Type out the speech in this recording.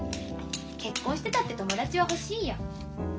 結婚してたって友達は欲しいよ。